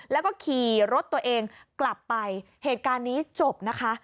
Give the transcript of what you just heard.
แล้วก็ขี่รถตัวเองกลับไปเหตุการณ์นี้จบนะคะ